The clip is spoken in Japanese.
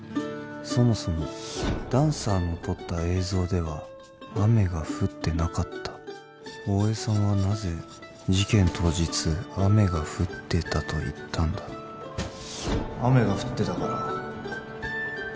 そもそもダンサーの撮った映像では雨が降ってなかった大江さんはなぜ事件当日雨が降ってたと言ったんだ雨が降ってたから